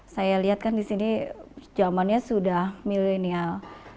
saya lihat kan di sini zamannya sudah milenial